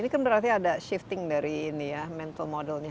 ini kan berarti ada shifting dari mental modelnya